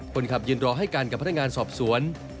คนขับยืนรอให้กันกับพนักงานสอบสวน